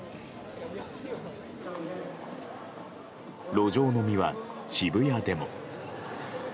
路上飲みは渋谷でも。